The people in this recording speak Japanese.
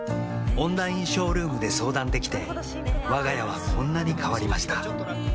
オンラインショールームで相談できてわが家はこんなに変わりました